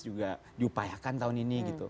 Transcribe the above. juga diupayakan tahun ini